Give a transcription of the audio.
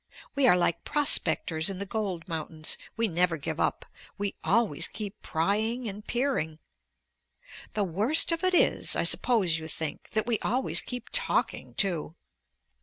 We are like prospectors in the gold mountains. We never give up; we always keep prying and peering. The worst of it is, I suppose you think, that we always keep talking too.